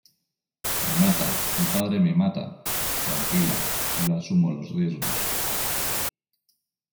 me mata, mi padre me mata. tranquila , yo asumo los riesgos .